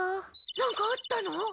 なんかあったの？